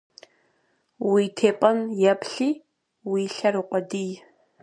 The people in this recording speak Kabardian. Уи тепӀэн йэплъи, уи лъэр укъуэдий.